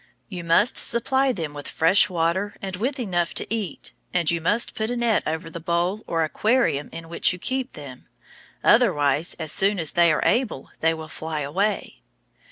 You must supply them with fresh water and with enough to eat. And you must put a net over the bowl or aquarium in which you keep them, otherwise as soon as they are able they will fly away.